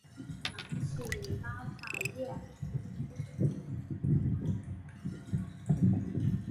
南起拉法叶。